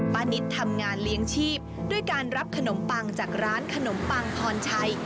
นิดทำงานเลี้ยงชีพด้วยการรับขนมปังจากร้านขนมปังพรชัย